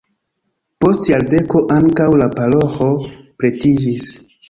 Post jardeko ankaŭ la paroĥo pretiĝis.